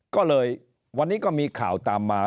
ก็เลยวันนี้ก็มีข่าวตามมา